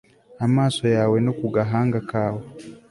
Amaso yawe no ku gahanga kawe